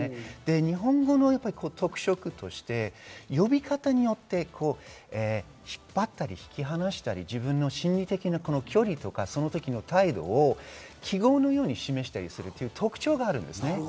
日本語の特色として、呼び方によって引っ張ったり引き離したり、自分の心理的な距離とかその時の態度を記号のように示したりする特徴があります。